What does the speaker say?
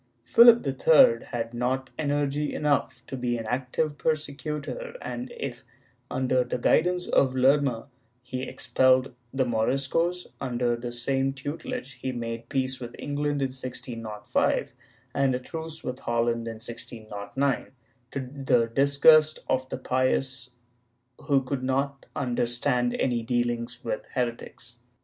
^ Philip III had not energy enough to be an active persecutor and if, under the guidance of Lerma, he expelled the Moriscos, under the same tutelage he made peace with England in 1605 and a truce with Holland in 1609, to the disgust of the pious who could not under stand any dealings with heretics.